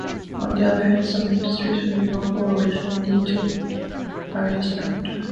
On the other hand, some industries remain local or regional due to various factors.